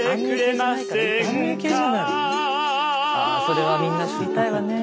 それはみんな知りたいわね。